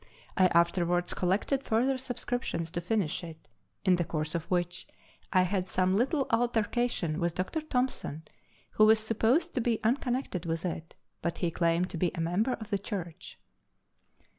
I afterwards collected further subscriptions to finish it, in the course of which I had some little altercation with Dr. Thomson, who was supposed to be unconnected with it, but he claimed to be a member of the church.